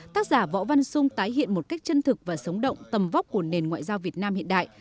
tác giả võ văn sung tái hiện một cách chân thực và sống động tầm vóc của nền ngoại giao việt nam hiện đại